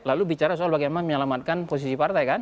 lalu bicara soal bagaimana menyelamatkan posisi partai kan